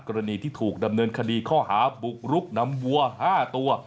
กรณีที่ถูกดำเนินคดีข้อหาบุกรุกนำวัว๕ตัว